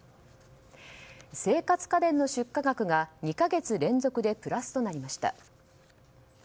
生活家電の出荷額が２か月連続でプラスとなりました。